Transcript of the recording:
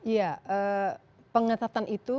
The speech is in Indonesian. ya pengetatan itu